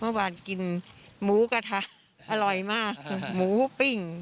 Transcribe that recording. เมื่อวานกินหมูกระทะอร่อยมากหมูปิ้ง